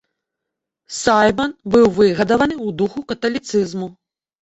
Сайман быў выгадаваны ў духу каталіцызму.